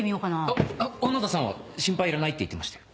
お小野田さんは心配いらないって言ってましたよ。